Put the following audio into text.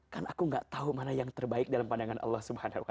karena aku tidak tahu mana yang terbaik dalam pandangan allah